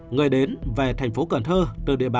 người đến về cần thơ phó chủ tịch ubnd tp dương tấn hiệt